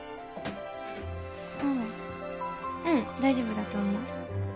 うんうん大丈夫だと思う。